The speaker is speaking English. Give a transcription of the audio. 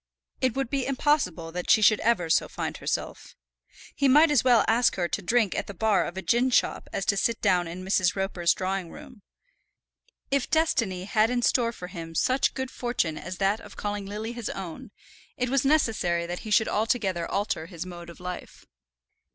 It would be impossible that she should ever so find herself. He might as well ask her to drink at the bar of a gin shop as to sit down in Mrs. Roper's drawing room. If destiny had in store for him such good fortune as that of calling Lily his own, it was necessary that he should altogether alter his mode of life.